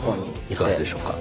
いかがでしょうか？